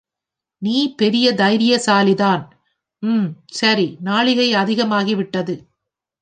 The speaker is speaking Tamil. நீ பெரிய வைராக்கியசாலிதான், உம் சரி நாழிகை அதிகமாகிவிட்டது.